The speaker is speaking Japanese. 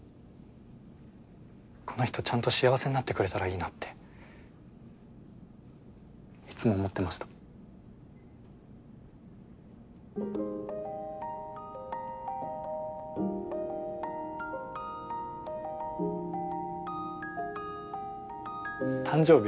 この人ちゃんと幸せになってくれたらいいなっていつも思ってました誕生日